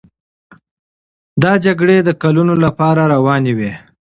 دا جګړې د کلونو لپاره روانې وې.